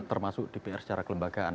termasuk dpr secara kelembagaan